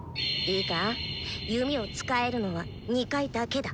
いいか弓を使えるのは２回だけだ。